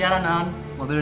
aku ngapain benar benar